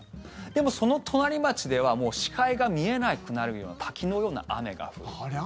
でも、その隣町ではもう視界が見えなくなるような滝のような雨が降る。